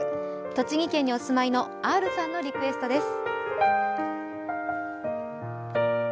栃木県にお住まいのＲさんからのリクエストです。